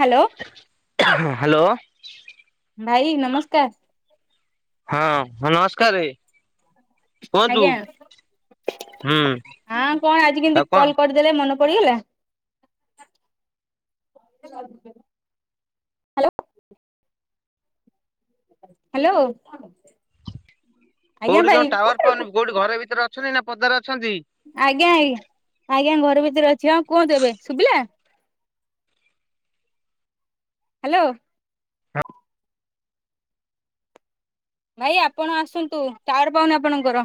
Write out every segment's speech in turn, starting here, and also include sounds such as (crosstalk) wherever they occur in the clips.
Hello. Hello. ଭାଇ ନମସ୍କାର। ହଁ ହଁ ନମସ୍କାରେ। ଆଜ୍ଞା ହୁଁ ହଁ କଣ ଆଜି କେମତି ଆଉ କଣ କଲ କରିଦେଲେ ମନ ପଡିଗଲା? ହାଲୋ। ହାଲୋ। କୋଉଠି ତମ ଟାୱାର ପାୱାନି କୋଉଠି ଘର ଭିତରେ ଅଛନ୍ତି ନା ପଦାର ଅ ଆଜ୍ଞା ଆଜ୍ଞା ଆଜ୍ଞା ଘରେ ବି ତରେ ଅଛି ହଁ କୁହନ୍ତ ଏବେ ଶୁଭିଲା? ହାଲୋ। ଭାଇ ଆପଣ ଆସନ୍ତୁ ଟାୱାର ପାଉନି ଆପଣଙ୍କର।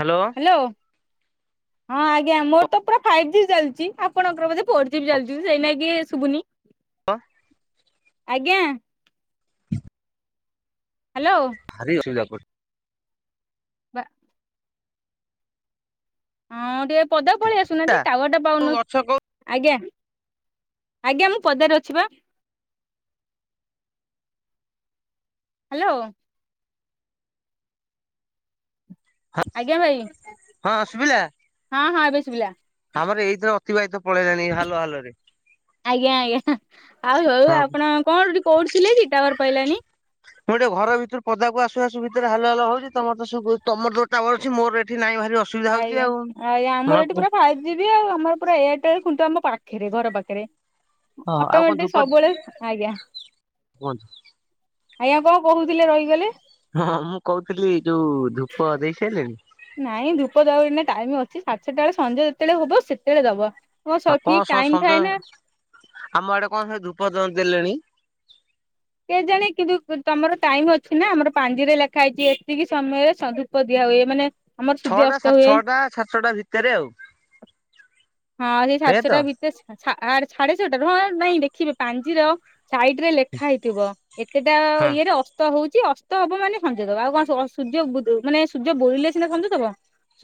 ହାଲୋ। ହ୍ୟାଲୋ ହଁ ଆଜ୍ଞା ମୋର ତ ପୁରା ଫାଇବ ଜି ଚାଲିଛି ଆପଣଙ୍କର ବଧେ ଫୋର୍ ଜି ବି ଚାଲିଚି ସେଇ ନାଗି ଶୁଭୁନି। ହ। ଆଜ୍ଞା। (inaudible) ହ୍ୟାଲୋ ଭାରି ଅସୁବିଧା କ ବା। ହଁ ଟିକେ ପଦାକୁ ପଳେଇ ଆସୁନାହାନ୍ତି ତୁ ଟାୱାର ଟା ପାଉନ ଗଛ କୋଉ ଆଜ୍ଞା। ଆଜ୍ଞା ମୁଁ ପଦାରେ ଅଛି ବା। ହାଲୋ। ଆଜ୍ଞା ଭାଇ ହଁ ଶୁଭିଲା ହଁ ହଁ ଏବେ ଶୁଭିଲା ଆମର ଏଇଥିରେ ଅତିବାହିତ ପଳେଇଲାଣି ହାଲ ହାଲ ରେ। ଆଜ୍ଞା ଆଜ୍ଞା ଆଉ ହଉ ହଁ ଆପଣ କଣ କୋଉଠି ଥିଲେ କି ଟାୱାର ପାଇଲାନି। ମୁଁ ଟିକେ ଘର ଭିତରୁ ପଦାକୁ ଆସୁ ଆସୁ ଭିତରେ ହାଲ ହାଲ ହଉଛି ତମର ସବୁ ତମର ଟାୱାର ଅଛି ମୋର ଏଠ ଆଜ୍ଞା ଆଜ୍ଞା ଆମର ହଁ ଏଠି କୁହ ପୁରା ଫାଇଭ ଜିବି ଆଉ ଆମର ପୁରା ଏ ଟେଲ ଖୁଣ୍ଟ ଆମ ପାଖରେ ଘର ପାଖରେ। ହଁ ଆଉ କଣ ଅଟୋମେଟିକ ଧୂପ ସବୁବେଳେ ଆଜ୍ଞା। କୁହନ୍ତୁ ଆଜ୍ଞା କଣ କହୁଥିଲେ ରହିଗଲେ। ହଁ ମୁଁ କହୁଥିଲି ଯୋଉ ଧୂପ ଦେଇ ସାରିଲଣି? ନାଇଁ ଧୂପ ଦବାକୁ ଏଇନା ଟାଇମ ଅଛି ସାଢେ ଛ ଟା ବେଳେ ସଞ୍ଜ ଯେତେବେଳେ ହବ ସେତେବେଳେ ଦବ। ହଁ ଠିକ ଆପଣ କଣ ସ ଟାଇମ ଥାଏ ସଞ୍ଜ ନା ଆମ ଆଡେ କଣ ସେ ଧୂପ ଦ ଦେଲେଣି। କେଜାଣି କିନ୍ତୁ ତମର ଟାଇମ ଅଛି ନା ଆମର ପାଞ୍ଜିରେ ଲେଖା ହେଇଚି ଏତିକି ସମୟରେ ସଧୁପ ଦିଆ ହୁଏ ମାନେ ଆମର ସୂର୍ଯ୍ୟ ଛଅଟା ଅସ୍ତ ସାତ ହୁଏ। ଛଅଟା ସାଢେ ଛଟା ଭିତରେ ଆଉ। ହଁ ସେଇ ସାଢେ ଏଇଆ ତ? ଛଅଟା ଭିତରେ ଆ ସାଢେ ଛଅଟାରୁ ହଁ ନାଇଁ ଦେଖିବେ ପାଞ୍ଜିର ସାଇଟ ରେ ଲେଖା ହେଇଥିବ ଏତେଟା ହଁ। ଇଏରେ ଅସ୍ତ ହଉଚି ଅସ୍ତ ତ ହବ ମାନେ ସଞ୍ଚଦବ ଆଉ କଣ ସୂର୍ଯ୍ୟ ମାନେ ସୂର୍ଯ୍ୟ ବୋରିଲେ ସିନା ସଞ୍ଚଦବ।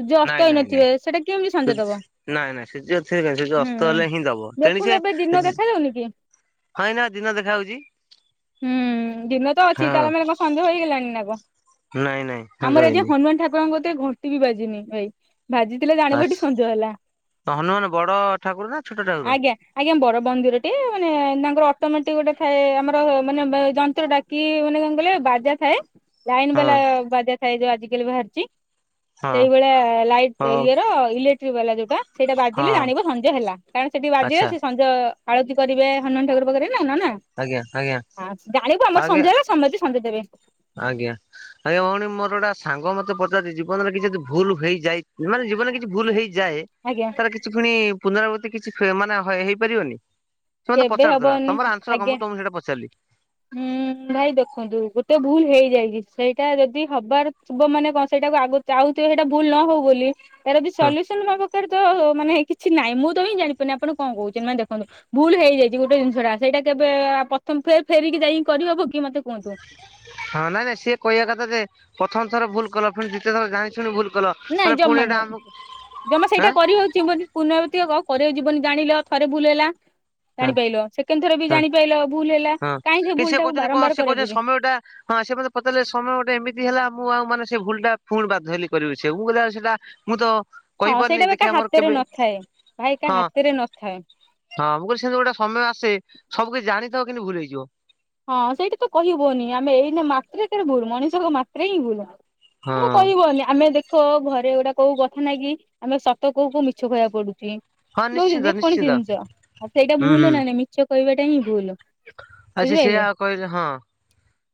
ସୂର୍ଯ୍ୟ ନାଇଁ ଅସ୍ତ ନାଇଁ ନାଇଁ ହେଇନଥିବେ ସେଟା କେମିତି ସଞ୍ଜ ଦବ। ନାଇଁ ନାଇଁ ସେ ଯଅ ଥିକ ନାହି, ହୁଁ ଅସ୍ତ ହେଲେ ହିଁ ଦବ ତେଣୁ ଦେଖୁନୁ ସେ ଏବେ ଦିନ ଦେଖା ଯାଉନି କି ହଁ ଏଇନା ଦିନ ଦେଖା ଯାଉଛି। ହୁଁ ଦିନ ତ ଅଛି ତାହେଲେ ମାନେ କଣ ସଞ୍ଜ ହେଇଗଲାଣି ନା କ? ନାଇଁ ନାଇଁ ହଁ ଆମର ଏ ଯେଉ ରହିଲି ହନୁମାନ ଠାକୁରଙ୍କ ଏତେ ଘଣ୍ଟି ବି ବାଜିିନି ଭାଇ ଭାଜିଥିଲେ ଜାଣିବ ଆଛା। ଟି ସଞ୍ଜ ହେଲା। ହନୁମାନ ବଡ ଠାକୁର ନା ଛୋଟ ଠାକୁର? ବର ବନ୍ଦିର ଟେ ମାନେ ତାଙ୍କର ଅଟୋମେଟିକ ଗୋଟେ ଥାଏ ଆମର ମାନେ ବେ ଯନ୍ତ୍ର ଡାକି ମାନେ କଣ କ ବାଜା ଥାଏ ଲାଇନ ବାଲା ହଁ ବାଜା ଥାଏ ଯୋଉ ଆଜିିକାଲି ବାହାରିଛି। ହଁ ସେଇଭଳିଆ ଲାଇଟ୍ ହଁ ଇଏର ଇଲେକ୍ଟ୍ରିକ ବାଲା ଯୋଉଟା। ସେଇଟା ବାଜିଲେ ହଁ ଜାଣିବ ସଞ୍ଜ ହେଲା କାରଣ ସେଠି ବାଜିଲେ ଆଚ୍ଛା ସେ ସଞ୍ଜ ଆଳତି କରିବେ ହନୁମାନ ଠାକୁର ପାଖରେ। ନଁ ନା ଆଜ୍ଞା ଆଜ୍ଞା ନା ଜାଣିବୁ ଆମର ଆଜ୍ଞା ସଞ୍ଜ ହେଲା ସମତେ ସଞ୍ଜ ଦେବେ। ଆଜ୍ଞା ଆଜ୍ଞା ଭଉଣୀ ମୋର ଗୋଟା ସାଙ୍ଗ ମତେ ପଚାରୁଛି ଜୀବନରେ କିଛି ଯଦି ଭୁଲ ହେଇଯାଇ ମାନେ ଜୀବନ କିଛି ଭୁଲ ହେଇଯାଏ ଆଜ୍ଞା ତାହେଲେ କିଛି ଫୁଣି ପୁନରାବୃତ୍ତି କିଛି ଫେ ମାନେ ହେଇପାରିବନି। ସେ ମତେ କେବେ ପଚାରୁଥିଲା ହବନି ତମର ଆନ୍ସର କଣ ଆଜ୍ଞା ମୁଁ ତମକୁ ସେଇଟା ପଚାରିଲି ହୁଁ ଭାଇ ଦେଖନ୍ତୁ ଗୋଟେ ଭୁଲ ହେଇଯାଇଛି ସେଇଟା ଯଦି ହବାର ଥିବ ମାନେ କଣ ସେଇଟାକୁ ଆଗ ଚାଁହୁଥିବେ ସେଇଟା ଭୁଲ ନ ହଉ ବୋଲି। ତାର ବି ହଁ ସଲ୍ୟୁସନ ମୋ ପାଖରେ ତ ମାନେ କିଛି ନାଇଁ ମୁଁ ତ ହିଁ ଜାଣିପାରୁନି ଆପଣ କଣ କହୁଛନ୍ତି ମାନେ ଦେଖନ୍ତୁ। ଭୁଲ ହେଇଯାଇଛି ଗୋଟେ ଜିନିଷ ଟା ସେଇଟା କେବେ ପ୍ରଥମ ଫେ ଫେରିକି ଯାଇକି କରିହବ କି? ମତେ କୁହନ୍ତୁ? ହଁ ନାଇଁ ନାଇଁ ସିଏ କହିବା କଥା ଯେ ପ୍ରଥମ ଥର ଭୁଲ କଲ ଫୁଣି ଦ୍ୱିତୀୟ ଥର ଜାଣିସୁଣି ଭୁଲ କଲ ମାନେ ନାଇଁ ପୁଣି ଜମା ଏଇଟା ନୁହଁ ଆମକୁ ଜମା ଆଁ ସେଇଟା କରି ହଉଛି ପୁର୍ନବତ୍ତି ହବ କରିବାକୁ ଯିବନି ଜାଣିଲ ଥରେ ଭୁଲ ହେଲା। ହଁ ଜାଣିପାଇଲ ସେକେଣ୍ଡ ଥର ବି ହଁ ଜାଣିପାଇଲ ଭୁଲ ହେଲା ହଁ କାହିଁ ସେ କି ଭୁଲ ଟାକୁ କହୁଛନ୍ତି କଣ ସେ ବାରମ୍ବାର କହୁଛନ୍ତି କରାଯିବି। ସମୟଟା ହଁ ସେ ମତେ ପଚାରିଲେ ସମୟ ଗୋଟେ ଏମିତି ହେଲା ମୁଁ ଆଉ ମାନେ ସେ ଭୁଲ ଟା ପୁଣି ବାଧ ହେଲି କରିବସିଵାକୁ ମୁଁ କହିଲି ସେଇଟା ମୁଁ ତ ହଁ ସେଇଟା କହିପାରୁନି ବା ଦେଖିବା କାହା ଆମର ହାତରେ କେବେ ନଥାଏ ଭାଇ କାହା ହଁ ହାତରେ ନଥାଏ। ହଁ ମୁଁ କହିଲି ଗୋଟେ ସମୟ ଆସେ ସବୁ କିଛି ଜାଣିଥିବ କିନ୍ତୁ ଭୁଲ ହେଇଯିବ। ହଁ ସେଇଠି ତ କହିବନି ଆମେ ଏଇ ମାତ୍ରେ ତରେ ଭୁଲ ମଣିଷଙ୍କ ମାତ୍ରେ ହିଁ ଭୁଲ। ହଁ ସେଇଟା କହିବନି ଆମେ ଦେଖ ଘରେ ଗୋଟା କୋଉ କଥା ନାଇ କି ଆମେ ସତ କୋଉ କଉ ମିଛ କହିବାକୁ ପଡୁଛି। ହଁ ଦଉଛୁ ନିଶ୍ଚିନ୍ତ ଯେକୌଣସି ନିଶ୍ଚିନ୍ତ ଜିନିଷ ଆଉ ସେଇଟା ହୁଁ ଭୁଲ ନା ନାଇଁ ମିଛ କହିବାଟା ହିଁ ଭୁଲ। ଆଛ ସେଇୟା ବୁଝିପାରିଲେ ଆଉ କହିଲ ହଁ।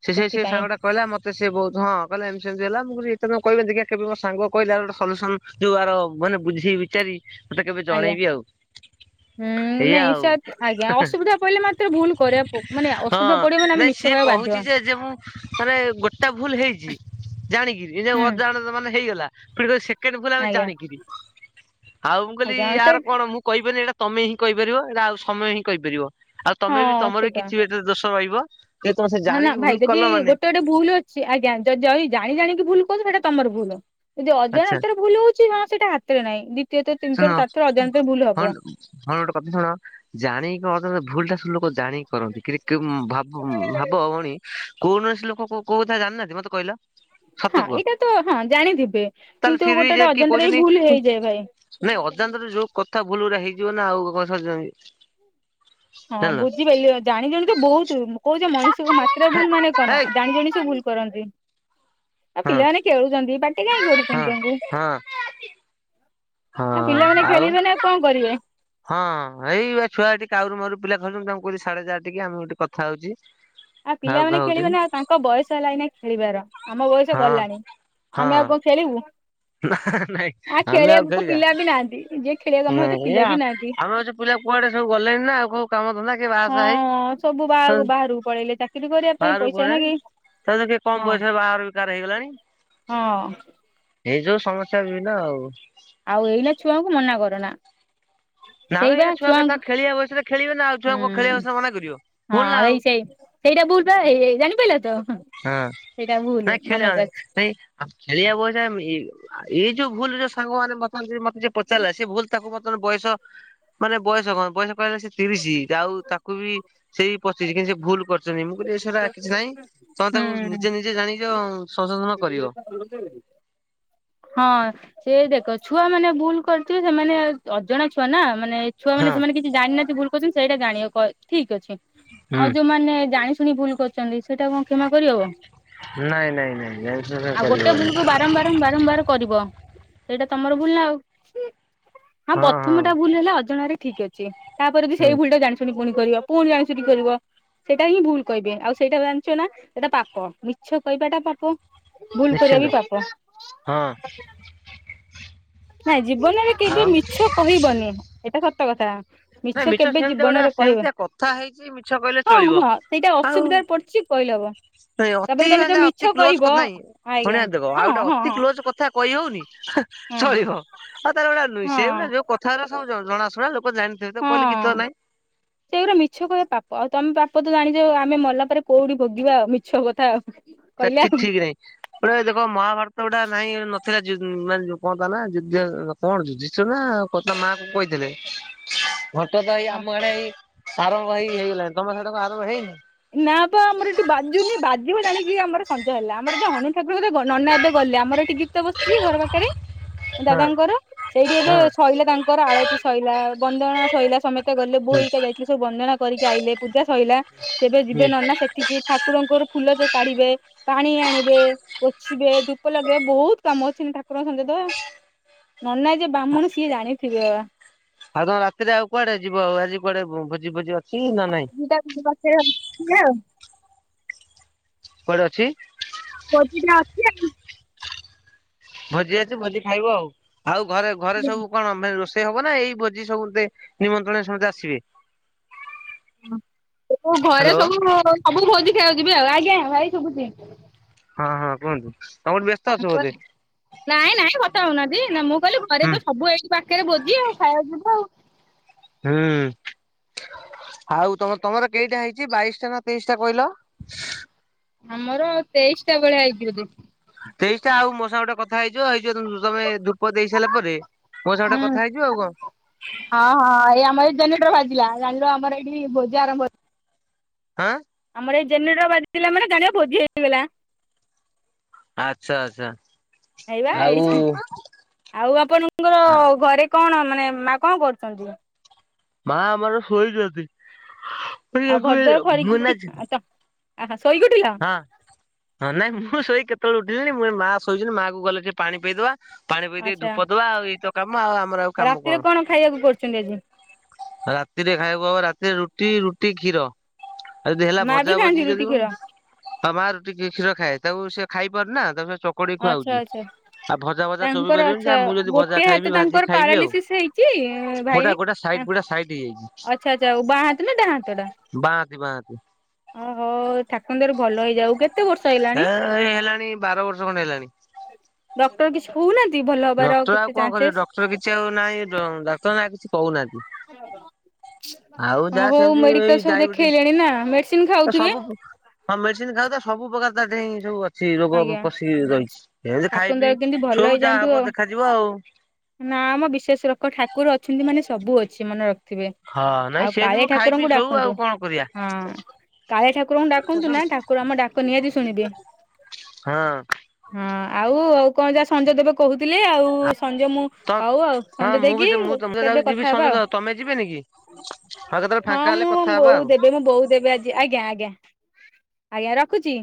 ସେ ସେ ସେଏ ସେଥିପାଇଁ। ସାଙ୍ଗଟା କହିଲ ମତେ ସେ ବହୁତ ହଁ କହିଲା ଏମିତିମିତି ହେଲା ମୁଁ କହିଲି ତେ କହିବେ ଦେ କେବେ ସାଙ୍ଗ କହିଲ ଆ ଗୋଟେ ସଲୁସନ ଯୋଉ ଆ ମାନେ ବୁଝି ବିଚାରି। ମୁତେ କେବେ ଆଜ୍ଞା ଜଣେଇବି ଆଉ ହୁଁ ଏଇଆ ନାଇଁ ଆଉ ସାର୍ ଆଜ୍ଞା ହେହେ। ଅସୁବିଧା ପଇଲେ ମାତ୍ର ଭୁଲ କରିବା ମାନେ ହଁ ଅସୁବିଧା ପଡିବ ମାନେ ଆମେ ନାଇଁ ମିଛ ସିଏ କହିବାକୁ ବାଧ୍ୟ ହୁଁ କହୁଛି ଯେ ଯେ ମୁଁ ମାନେ ଗୋଟା ଭୁଲ ହେଇଛି। ଜାଣିକି ଏ ଅଜାଣ ମାନେ ହେଇଗଲା ପୁଣ କହୁଚି ସେ କେ ଭୁଲ ଆମେ ଆଜ୍ଞା ଜାଣିକିରି ଆଉ ମୁଁ କହିଲି ଆଜ୍ଞା ସେ ୟାର କଣ ମୁଁ କହିବନି ଏଇଟା ତମେ ହିଁ କହିପାରିବ ଏଟ ଆଉ ସମୟ ହିଁ କହିପାରିବ ଆଉ ତମେ ବି ତମର ବି କିଛି ଏଟ ଦୋଷ ରହିବ। ଯେ ତମେ ସେ ହ ନା ଜାଣିକି ଭାଇ ଭୁଲ ଯଦି କଲ ମାନେ ଗୋଟେ ଗୋଟେ ଭୁଲ ଅଛି ଆଜ୍ଞା ଯଦି ଜାଣି ଜାଣି ଭୁଲ କହୁଛ ସେଇଟା ତମର ଭୁଲ ଯଦି ଅଜା ଆଚ୍ଛା ହ ରେ ଭଲ ହଉଛି କ ସେଟା ହାତରେ ନାହିଁ। ଦ୍ୱିତୀୟଥର ତିନିଥର ଶୁଣ ଚାରିଥର ହ ଅଜାଣତରେ ଭୁଲ ହଁ ହବ। ଗୋଟେ କଥା ଶୁଣ ଜାଣିକି ଅ ଭୁଲ ଟା ଶୁଲୋ ଜାଣି କରନ୍ତି କି ଭାବ ଭାବ ଭଉଣୀ। କୌଣସି ଲୋକ କୋ କଥା ଜାଣି ନାହାନ୍ତି ମତେ କହିଲ। ସତ ହଁ କୁହ ଏଇଟା ତ ହଁ ଜାଣିଥିବେ ତାହେଲେ କିନ୍ତୁ ଫିର ବି ଗୋଟେ ଯେ ଗୋଟେ କିଏ ଅଜାଣତେ କହୁଛନ୍ତି ବି ଭୁଲ ହେଇଯାଏ ଭାଇ। ନାଇଁ ଅଜାଣତେ ଯୋଉ କଥା ଭୁଲ ଗୁରା ହେଇଯିବ ନା ଆଉ କ ସ ହଁ ବୁଝିପାରିଲି ଜାଣି ଜଣ ତ ବହୁତ କହୁଛ ମଣିଷଙ୍କ ମାତ୍ରାରେ ଭୁଲ ମାନେ କଣ ହେଇ ଜାଣି ଜଣି ସେ ଭୁଲ କରନ୍ତି। ଆଉ ହଁ ପିଲାମାନେ ଖେଳୁଛନ୍ତି ପାଟି କାହିଁ ହଁ କରୁଛନ୍ତି ତଙ୍କୁ? ହଁ ଆଉ ହଁ ପିଲାମାନେ ଆଉ ଖେଳିବେ ନାଉ କଣ କରିବେ। ହଁ ଏଇ ବାଆ ଛୁଆ ଏଠି କାଉରୁ ମରୁ ପିଲା ଖାଉଛନ୍ତି ତାମଙ୍କୁ କହୁିଲି ସାଡେ ଯାଏ ଟିକେ ଆମେ ଗୋଟି କଥା ହଉଛି। ଆଉ ଭାଉକ ପିଲାମାନେେ ଖେଳିବେନି ହଉଛନ୍ତି ଆଉ ତାଙ୍କ ବୟସ ହେଲା ଏନା ଖେଳିବାର। ଆମ ବୟସ ହଁ ଗଲାଣି ଆମେ ଆଉ କଣ ଖେଳିବୁ। ନା ନାଇଁ ଆ ଆମେ ଆଉ ଖେଳିବାକୁ ଖେଳିବା ପିଲା ବି ନାହାନ୍ତି ଯିଏ ଖେଳିବାକୁ ଆମ ସହିତ ନାଇ ଏ ପିଲା ବି ନାହାନ୍ତି। ଆମେ ହଉଚୁ ପି ଲା କୁଆଡେ ସବୁ ଗଲେଣି ନା ଆଉ କୋଉ କାମ ଧନ୍ଦା କିଏ ବାହାସାହା ହଁ ସବୁ ବାହାରକୁ ହେଇ ବାହାରକୁ ପଳେଇଲେ ଚାକିରି କରିବା ପାଇଁ ବାହାରକୁ ପଇସା ନାଗି ପଳେଇଲାଣି ତାଧିରୁ କିଏ କମ ହଁ। ବୟସରେ ବାହାଘର ବି କାର ହେଇଗଲାଣି। ହଁ। ଏଇ ଯୋଉ ସମସ୍ୟା ବିଭିନ୍ନ ଆଉ। ଆଉ ଏଇନା ଛୁଆଙ୍କୁ ମନା କରନା। ନା ମ ସେଇବା ଏଇନା ଛୁଆ କଥା ଛୁଆଙ୍କୁ ଖେଳିବା ବୟସରେ ଖେଳିବେ ନା ଆଉ ହୁଁ ଛୁଆଙ୍କୁ ଖେଳିବା ବୟସରେ ମନା କରିବ। ଭୁଲ ନା ହଁ ଆଉ ସେଇ ସେଇ ସେଇଟା ଭୁଲ ପା ହେଇ ହେଇ ଜାଣିପାଇଲ ତ। ହଁ ସେଇଟା ଭୁଲ ନାଇଁ ଖେଳିବା ମନକୁ ଅଛି। ନାଇଁ ଆ ଖେଳିବାକୁ ବୟସ ଏ ଏଇ ଏଇ ଯୋଉ ଭୁଲ ଯୋଉ ସାଙ୍ଗ ମାନେ ବର୍ତ୍ତମାନ ମତେ ଯୋ ପଚାରିଲା ସେ ଭୁଲ ତାକୁ ବର୍ତ୍ତମାନ ବୟସ ମାନେ ବୟ ବୟସ କଣ ବୟସ କହିଲେ ସେ ତିରିଶ ଆଉ ତାକୁ ବି ସେଇ ପଚିଶ କିନ୍ତୁ ସେ ଭୁଲ କରି ଚନ୍ତି ମୁ କହିଲି ସେଟା କିଛି ନାହିଁ, ତମେ ତାକୁ ନିଜେ ହୁଁ। ନିଜେ ଜାଣିଛ ସଂଶୋଧନ କରିବ। (inaudible) ହଁ ସେ ଦେଖ ଛୁଆ ମାନେ ଭୁଲ କରିିଥିବେ ସେମାନେ ଅଜଣା ଛୁଆନା। ମାନେ ଛୁଆ ମାନେ ହଁ ସେମାନେ କିଛି ଜାଣନାହାନ୍ତି ଭୁଲ କରୁଚନ୍ତି ସେଇଟା ଜାଣିବ ଠିକ ଅଛି ହୁଁ ଆଉ ଯୋଉମାନେ ଜାଣି ଶୁଣି ଭୁଲ କରୁଛନ୍ତି ସେଇଟା କଣ କ୍ଷମା କରିହବ? ନାଇଁ ନାଇଁ ନାଇଁ ଜାଣିଶୁଣି ଆଉ ଗୋଟେ କରିହବନି ଭୁଲ କୁ ବାରମ୍ବାର ବାରମ୍ବାର କରିବ। ସେଇଟା ତମର ଭୁଲ ନା ଆଉ ହଁ ପ୍ରଥମ ଟା ଭୁଲ ହେଲା ଅଜଣାରେ ଠିକ୍ ଅଛି ତାପରେ ବି ହୁଁ ସେଇ ଭୁଳି ଟା ଜାଣିଶୁଣି ପୁଣି କରିବ ପୁଣି ଜାଣିଶୁଣି କରିବ। ସେଇଟା ହିଁ ଭୁଲ କହିବେ ଆଉ ସେଇଟା ଜାଣି ନା ସେଇଟା ପାପ ମିଛ କହିବାଟା ପାପ। ଭୁଲ କରିବା ନିଶ୍ଚିନ୍ତ ବିି ପାପ। ହଁ। ନାଇଁ ଜୀବନରେ ବି କେବେ ଆଉ ମିଛ କହିବନି ଏଇଟା ସତ କଥା। ନାଇଁ ମିଛ କେବେ ସେମିତିଆ ଗୋଟେ ଜୀବନରେ କହିବ ସେମିତିଆ କଥା ହେଇଛି ମିଛ କହିଲେ ହଁ ଚଳିବ। ହଁ ସେଇଟା ଅସୁବିଧାରେ ପଡିଚି କହିଲବ। ନାଇଁ ଅତି ହେ ଅତି କ୍ଲୋଜ କଥା ନାଇଁ ଆଜ୍ଞା ଶୁଣିବା ଦେଖ ହଁ ଆଉ ଗୋଟେ ହଁ ଅତି ହଁ କ୍ଲୋଜ କଥା କହି ହଉନି ହଁ ଚଳିବ ଆଉ ତାର ଗୋଟା ନ ସେ ଭଳିଆ ହଁ ଯୋଉ କଥାଗୁଡ଼ାକ ଥା ସବୁ ଜଣାଶୁଣା ଲୋକ ଜାଣିଥିବେ। ତ ହଁ କହିଲେ ଗୀତ ନାଇଁ ସେଇଗୁଟା ମିଛ କହିବେ ପାପ ଆଉ ତମେ ପାପ ଆପ ତ ଜାଣିଚ ଆମେ ମଲା ପରେରେ କୋଉଠି ଭୋଗୀବା ଆଉ ମିଛ କଥା ଆଉ। କହିଲେ ସେଠିକ ଠିକ ନାହିଁ ପୁରା ଦେଖ ମହାଭାରତ ଗୁଡା ନାଇଁ ନଥିଲା। ଯ ମାନେ କହନ୍ ନା ଯୁଧି କଣ ଯୁଧିଷ୍ଠିର ନା କ ମା କୁ କହିଥିଲେ। ଘଟ ତ ଏଇ ଆମ ଏଡେ ଏଇ ଆରମ୍ଭ ହେଇ ହେଇ ହେଇଗଲାଣି। ତମ ସେଡାକୁ ଆରମ୍ଭ ହେଇନି? ନା ପା ଆମର ଏଠି ବାଜୁନି ବାଜିବ ଜାଣିକି ଆମର ସଞ୍ଜ ହେଲା। ଆମର ଯ ହନୁ ଠାକୁର ନନା ଏବେ ଗ ଲେ, ଆମର ଏଟି ଗୀତ ବାଯୁଚି ଘର ପାଖରେ ହଁ ଦାଦାଙ୍କର ସେଇଠି ଏବେ ହଁ ଶଇଲା ତାଙ୍କର ଆଳତି ସୋଇଲା ବନ୍ଦଣା ଶୋଇଲା ସମେତ। ଗଲେ ବୋଉ ହୁଁ ହରିକା ଯାଇଥିଲଥିଲେ ସବୁ ବନ୍ଦଣା କରିକି ଆଇଲେ ପୂଜା ସରିଲା। ସେ ଏବେ ଯିବେ ହୁଁ ନନା ସେଠିକି ଠାକୁରଙ୍କର ଫୁଲ ସବୁ କାଢିବେ, ପାଣି ଆଣିବେ ପୋଛିବେ ଧୁପ ଲଗଇବେ ବହୁତ କାମ ଅଛନ୍ତି, ଠାକୁରଙ୍କ ସଞ୍ଜ ଦବା ନନା ଯେ ବ୍ରାହ୍ମଣ ସିଏ ଜାଣି ଥିବେ ବା। ଆଉ ତମ ରାତିରେ ଆଉ କୁଆଡେ ଯିବ, ଆଉ ଆଜି କୁଆଡେ ଭୋଜି ଭୋଜି ହଟ ତେ ପା (unintelligible) କୋଆଡେ ଅଛି। (unintelligible) ଅଛି ଆଉ। ଭୋଜି ଅଛି ଭୋଜି ଖାଇବ ଆଉ, ଆଉ ଘରେ ଘରେ ସବୁ କଣ ରୋସ ଇ ହବ ନା ଏଇ ଭୋଜି ସବୁେ ଦେ ନିମନ୍ତ୍ରଣ ସମସ୍ତେ ଆସିବେ। ଘରେ ହ୍ୟାଲୋ ସବୁ ସବୁ ଭୋଜି ଖାଇବାକୁ ଯିବେ ଆଉ। ଆଜ୍ଞା ଭାଇ ଶୁବୁଚି। ହଁ ହଁ କୁହନ୍ତୁ? ତମେ ଗୋଟେ ବ୍ୟସ୍ତ ଅଛ କ ବୋଧେ ନାଇଁ ନାଇଁ କଥା ହଉନାହାନ୍ତି ନା ମୁଁ କହିଲି ଘରେ ହୁଁ ତ ସବୁ ଏଇ ପାଖରେ ଭୋଜି ଆଉ ଖାଇବାକୁ ଯିବା ଆଉ। ହୁଁ। ଆଉ ତମ ତମର କେଇଟା ହେଇଚି ବାଇଶ ଟା ନା ତେଇଶ ଟା କହିଲ। ଆମର ଆଉ ତେଇଶ ଟା ବେଳିଆ ଆଇଚି ବୋଦେ। ତେଇଶଟା ଆଉ ମୋ ସାଙ୍ଗରେ ଗୋଟେ କଥାହେଇଯିବ ହେଇ ଯିବ। ତମେ ଧୂପ ଦେଇ ସାରିଲା ପରେ ମୋ ସାଙ୍ଗରେ ଟେ ହୁଁ କଥା ହେଇଯିବ ଆଉ କଣ। ହଁ ଏଇ ଆମ ଏଇ ଜେନେଟର ଭାଜିଲା ଜାଣିଲୁ ଆମର ଏଇଠି ଭୋଜି ଆରମ୍ଭ ଆଁ। ମର ଏଇ ଜେନେରେଟର ବାଜିଥିଲା ମାନେ ଜାଣିବ ଭୋଜି ହେଇଗଲା। ଆଚ୍ଛା ଆଚ୍ଛା। ହେଇବା ଆଉ ଏଇଥ୍ ହିଁ ଆଉ ଆପଣଙ୍କର ଘରେ କଣ ମାନେ ମା କଣ କରୁଚନ୍ତି? ମା ଆମର ଶୋଇଚନ୍ତି। (unintelligible) ମୁଁ ଏଇନା ଯିବି। ଅ ହ। ହଁ ହଁ ନାଇଁ ମୁଁ ଶୋଇକ୍ କେତେବେଳୁ ଉଠିଲିଣିି ମୁଁ ଏ ମା ଶୋଇଚନ୍ତି ମା କୁ ଗଲେ ଟିକେ ପାଣି ପିଏଇଦବା। ପାଣି ପିଇ ଦେଇ ଆଚ୍ଛା ଧୂପ ଦବା ଆଉ ଏଇତ କାମ ଆଉ ଆମର ଆଉ କାମ ରାତିରେ କଣ। ଖାଇବାକୁ କରୁଛନ୍ତି ଆଜି? ରାତିରେ ଖାଇବ ରାତିରେ ରୁଟି ରୁଟି କ୍ଷୀର। ଆଉ ଯଦି ହେଲା ମା ବି ଭଜା ଖାଆନ୍ତି ଭଜି ଯଦି ରୁଟି କ୍ଷୀର ହଁ ମା ରୁଟି କ୍ଷୀର ଖାଏ ତାକୁ ସେ ଖାଇପାରୁନି ନା ତାକୁ ସେ ଚକଡି ଆଚ୍ଛା ଖୁଆହଉଚି। ଆଚ୍ଛା ଆଉ ଭଜା ଭଜା ଚୋବେଇ ତାଙ୍କର ପାରିବିନି ଆଚ୍ଛା ଯାହା ମୁଁ ଯଦି ଭଜା ଗୋଟେ ହାତ ଖାଇବି ତାଙ୍କର ଭାଜିକ୍ ଖାଇବି ଆଉ ପାରାଲିସିସ୍ ହେଇଛି ଭାଇ ଗୋଟା ଗୋଟା ଏ ଗୁଡା ସାଇଟି ହେଇଚି। ଆଚ୍ଛା ଆଚ୍ଛା ବାଁ ହାତ ନା ଡାହାଁ ହାତ ଟା? ବାଆନ୍ତି ବାଆନ୍ତି ଓ ହୋ ଠାକୁରଙ୍କ ଦୟାରୁ ଭଲ ହେଇଯାଉ। କେତ୍? ଏ ଏଇ ହେଲାଣି ବାର ବର୍ଷ ଖଣ୍ଡେ ହେଲାଣି। ଡକ୍ଟର କିଛି କହୁନାହାନ୍ତି? ଭଲ ହବାର ଡକ୍ଟର ଆଉ କେତେ କଣ କରିବ ଚାନ୍ସେସ୍? ଡକ୍ଟର କିଛି ଆଉ ନାହିଁ ଡକ୍ଟର ନା କିଛି କହୁନାହାନ୍ତି। ହଁ ଆଉ ଅଁ ଯାହା ହଉ ସେମିତି ଏଇ ମେଡିକାଲ ସବୁ ଡାଇବେଟିସ ଦେଖେଇଲେଣି ନା ମେଡିସିନ ଖାଉଥିବେ? ସବୁ ହଁ ମେଡିସିନ ଖାଉ ତ ସବୁ ପ୍ରକାର ତା ଦେଇଁ ସବୁ ଅ ସିଏ ରୋଗ ଆଜ୍ଞା। ପଶି ରହିଚି। ଏ ଯେ ଖାଇ ଠାକୁରଙ୍କ ପିଇ ଦୟାରୁ କେମିତି ଶୋଉ ଯାହା ହବ ଦେଖାଯିବ ଆଉ। ନାଁ ମ ବିଶ୍ଵାସ ରଖ ଠାକୁର ଅଛନ୍ତି ମାନେ ସବୁ ଅଛି ମନେ ରଖ। ଥିବେ ହଁ ନାଇଁ ଆଉ ସେମିତି କାଳିଆ ମୁଁ ଖାଇ ପିଇ ଠାକୁରଙ୍କୁ ଶୋଉ ଆଉ ଡାକନ୍ତୁ କଣ କରିବା। ହଁ। କାଳିଆ ଠାକୁରଙ୍କୁ ହଁ ଡାକନ୍ତୁ ନା ଠାକୁର ଆମ ଡାକ ନିହାତି ଶୁଣିବେ। ହଁ ଆଉ ଆଉ କଣ ଯା ସଞ୍ଜ ଦେବେ। କହୁଥିଲେ ଆଉ ସଞ୍ଜ ମୁଁ ତ ହଉ ଆଉ ହଁ ସଞ୍ଜ ମୁଁ ଦେଇକି ବି ମୁଁ ତ ଯାଉଛି କେବେ ଯିବି କଥା ହେବା ସଞ୍ଜତ ଆଉ। ତମେ ଯିବେନି କି? କେତେବେଳେ ହଁ ଫାଙ୍କା ହେଲେ ମୁଁ କଥା ହବା ବୋଉ ଆଉ। ଦେବେ ମୁଁ ବୋଉ ଦେବେ ଆଜି ଆଜ୍ଞା ଆଜ୍ଞା। ଆଜ୍ଞା ରଖୁଚି।